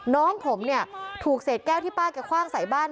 น้องผมเนี่ยถูกเศษแก้วที่ป้าแกคว่างใส่บ้าน